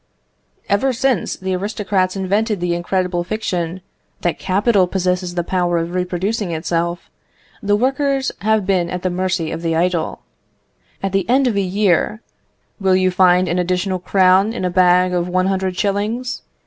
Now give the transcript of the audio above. "Ever since the aristocrats invented the incredible fiction, that capital possesses the power of reproducing itself, the workers have been at the mercy of the idle. "At the end of a year, will you find an additional crown in a bag of one hundred shillings?